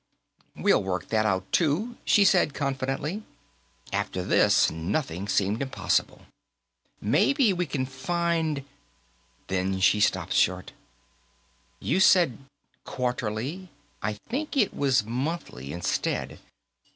'" "We'll work that out, too," she said confidently. After this, nothing seemed impossible. "Maybe we can find " Then she stopped short. "You said 'Quarterly.' I think it was 'Monthly,' instead.